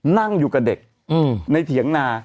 นั่งอยู่กับเด็กในเถียงนา